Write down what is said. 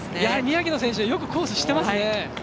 宮城の選手、よくコース知っていますね。